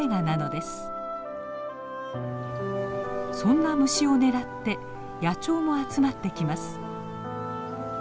そんな虫を狙って野鳥も集まってきます。